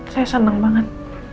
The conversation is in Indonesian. saya seneng banget